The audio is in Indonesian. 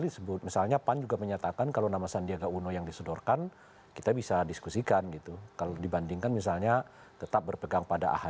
jelang penutupan pendaftaran